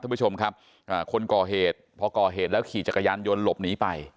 ท่านผู้ชมครับอ่าคนก่อเหตุพอก่อเหตุแล้วขี่จักรยานยนต์หลบหนีไป